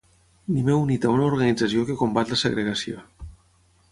Ni m'he unit a una organització que combat la segregació.